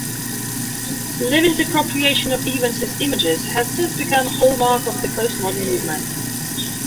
Levine's appropriation of Evans's images has since become a hallmark of the postmodern movement.